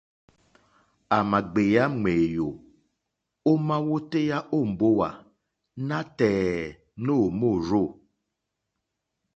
À mà gbèyá ŋwèyò ómá wótéyá ó mbówà nátɛ̀ɛ̀ nǒ mòrzô.